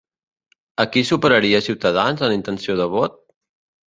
A qui superaria Ciutadans en intenció de vot?